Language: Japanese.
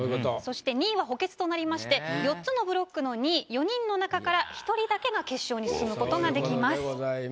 そして２位は補欠となりまして４つのブロックの２位４人の中から１人だけが決勝に進むことができます。